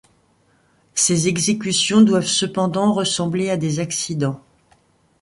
Ces exécutions doivent cependant ressembler à des accidents.